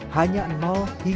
hanya hingga satu buku per tahun